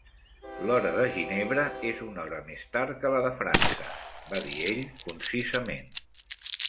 "L'hora de Ginebra és una hora més tard que la de França", va dir ell concisament.